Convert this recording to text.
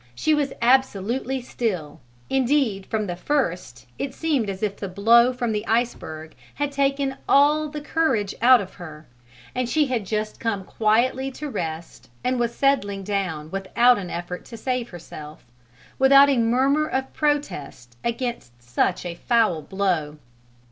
She was absolutely still indeed from the first it seemed as if the blow from the iceberg had taken all the courage out of her and she had just come quietly to rest and was settling down without an effort to save herself, without a murmur of protest against such a foul blow.